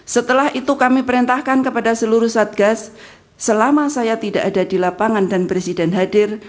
setelah itu kami perintahkan kepada seluruh satgas selama saya tidak ada di lapangan dan presiden hadir